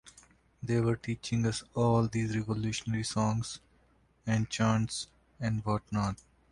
They were teaching us all these revolutionary songs and chants and what not.